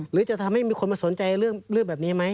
หรือจะทำให้มีคนมาสนใจเรื่องแบบนี้ไหม